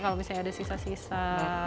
kalau misalnya ada sisa sisa